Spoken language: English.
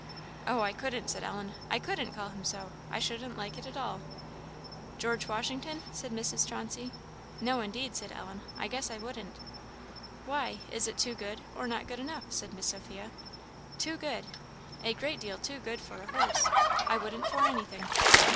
" "Oh, I couldn't!" said Ellen "I couldn't call him so; I shouldn't like it at all." "George Washington?" said Mrs. Chauncey. "No, indeed!" said Ellen. "I guess I wouldn't!" "Why, is it too good, or not good enough?" said Miss Sophia. "Too good! A great deal too good for a horse. I wouldn't for anything."